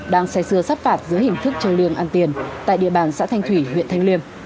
đang xe xưa sắp phạt giữa hình thức châu liêng ăn tiền tại địa bàn xã thanh thủy huyện thanh liêm